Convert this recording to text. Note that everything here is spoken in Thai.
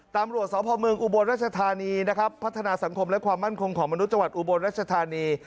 ตำรวจสพเมืองอุบลรัชธานีนะครับพัฒนาสังคมและความมั่นคงของมนุษย์จังหวัดอุบลรัชธานี